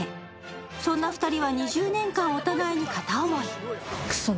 そんな２人は２０年間、お互いに片思い。